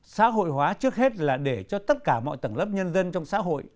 xã hội hóa trước hết là để cho tất cả mọi tầng lớp nhân dân trong xã hội